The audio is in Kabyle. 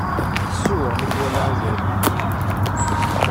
Tsuɣ mi twala azrem-nni.